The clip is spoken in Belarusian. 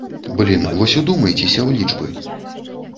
Блін, вось удумайцеся ў лічбы.